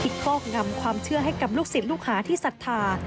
ครอบงำความเชื่อให้กับลูกศิษย์ลูกหาที่ศรัทธา